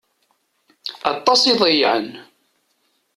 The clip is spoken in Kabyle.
Aṭas i ḍeyyεen.